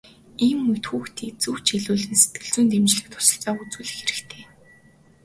Ийм үед хүүхдийг зөв чиглүүлэн сэтгэл зүйн дэмжлэг туслалцаа үзүүлэх хэрэгтэй.